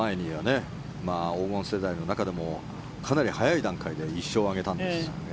黄金世代の中でもかなり早い段階で１勝を上げたんですよね。